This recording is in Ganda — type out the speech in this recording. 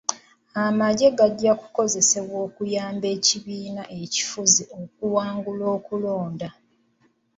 Amagye gajja kukozesebwa okuyamba ekibiina ekifuzi okuwangula okulonda.